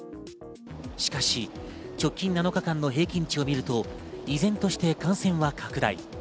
しかし、直近７日間の平均値を見ると、依然として感染は拡大。